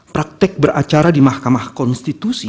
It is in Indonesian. praktek beracara di mahkamah konstitusi